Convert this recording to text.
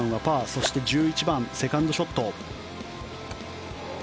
そして１１番のセカンドショット。